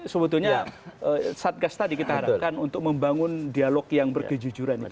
sebetulnya satgas tadi kita harapkan untuk membangun dialog yang berkejujuran itu